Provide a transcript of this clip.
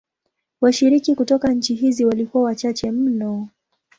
Washiriki kutoka nchi hizi walikuwa wachache mno.